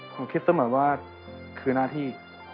ผมคิดเสมอว่าคือหน้าที่